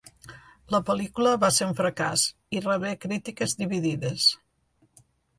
La pel·lícula va ser un fracàs, i rebé crítiques dividides.